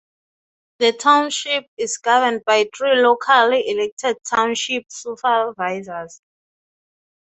The Township is governed by three locally elected Township Supervisors.